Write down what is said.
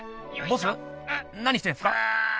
ボス何してんすか？